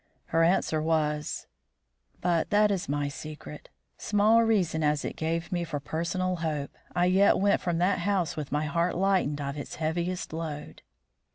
Her answer was but that is my secret. Small reason as it gave me for personal hope, I yet went from that house with my heart lightened of its heaviest load.